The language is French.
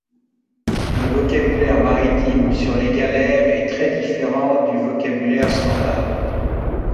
Le vocabulaire maritime sur les galères est très différent du vocabulaire standard.